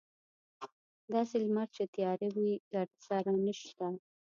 داسې لمر چې تیاره وي ګردسره نشته.